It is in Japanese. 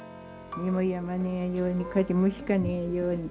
目も病まねえように風邪もひかねえように。